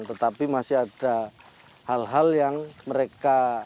tetapi masih ada hal hal yang mereka